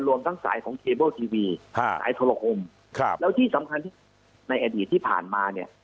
รวมตั้งสายของเทเบิลทีวีสายโทรคมแล้วที่สำคัญในอดีตที่ผ่านมา